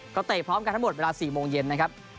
ก็เตะพร้อมกันทั้งหมดเวลา๔โมงเย็นนะครับ